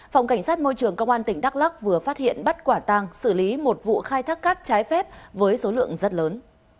phòng cảnh sát môi trường công an tỉnh đắk lắc vừa phát hiện bắt quả tang xử lý một vụ khai thác cát trái phép với số lượng rất lớn